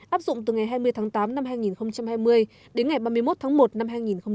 áp dụng từ ngày hai mươi tháng tám năm hai nghìn hai mươi đến ngày ba mươi một tháng một năm hai nghìn hai mươi